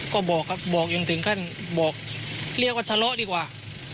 ก็บอกยังถึงขั้นบอกเรียกว่ารักดีกว่า